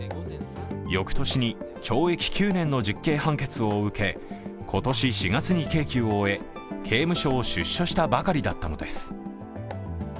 翌年に懲役９年の実刑判決を受け今年４月に刑期を終え、刑務所を出所したばかりだったのです。